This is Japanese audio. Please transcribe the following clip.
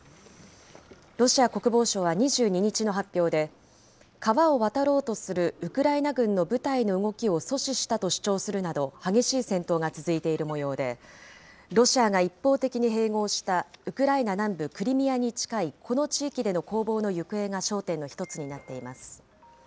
ロシア国防省は２２日の発表で、川を渡ろうとするウクライナ軍の部隊の動きを阻止したと主張するなど、激しい戦闘が続いているもようで、ロシアが一方的に併合した、ウクライナ南部クリミアに近いこの地域での攻防の行方が焦点の一つになっています。